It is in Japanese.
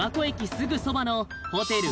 すぐそばのホテル